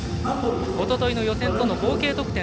おとといの予選との合計得点